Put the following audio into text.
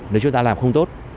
nếu chúng ta làm không tốt